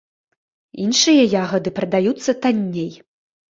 Іншыя ягады прадаюцца танней.